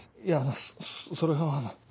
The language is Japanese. いやそれはあの。